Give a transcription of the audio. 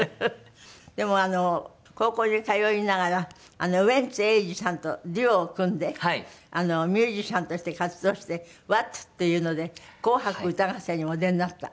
でも高校に通いながらウエンツ瑛士さんとデュオを組んでミュージシャンとして活動してＷａＴっていうので『紅白歌合戦』にもお出になった？